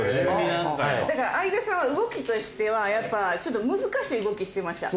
だから相田さんは動きとしてはやっぱちょっと難しい動きしてました。